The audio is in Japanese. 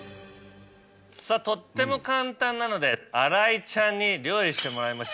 さぁとっても簡単なので新井ちゃんに料理してもらいましょう。